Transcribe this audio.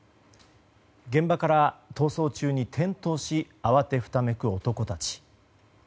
現場から逃走中に転倒し慌てふためく男たち。